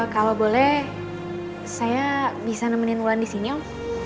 kalau boleh saya bisa nemenin wulan di sini om